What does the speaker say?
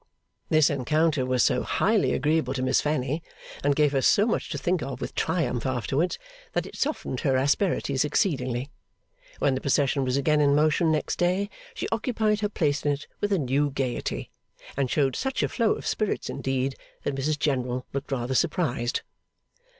This encounter was so highly agreeable to Miss Fanny, and gave her so much to think of with triumph afterwards, that it softened her asperities exceedingly. When the procession was again in motion next day, she occupied her place in it with a new gaiety; and showed such a flow of spirits indeed, that Mrs General looked rather surprised.